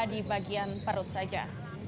di bagian perut saja